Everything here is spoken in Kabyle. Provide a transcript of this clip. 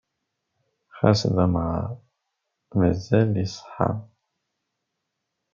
Ɣas d amɣar, maca iṣeḥḥa.